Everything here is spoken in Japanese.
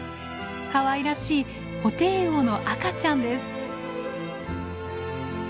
かわいらしいホテイウオの赤ちゃんです。